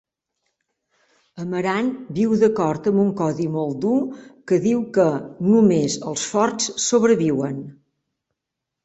Amarant viu d'acord amb un codi molt dur que diu que "només els forts sobreviuen".